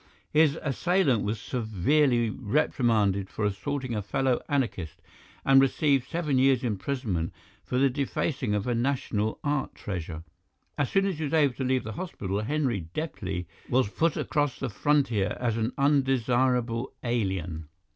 His assailant was severely reprimanded for assaulting a fellow anarchist and received seven years' imprisonment for defacing a national art treasure. As soon as he was able to leave the hospital Henri Deplis was put across the frontier as an undesirable alien.